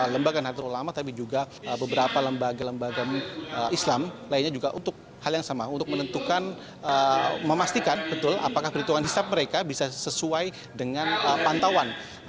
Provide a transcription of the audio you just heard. lembaga nahdlatul ulama tapi juga beberapa lembaga lembaga islam lainnya juga untuk hal yang sama untuk menentukan memastikan betul apakah perhitungan hisap mereka bisa sesuai dengan pantauan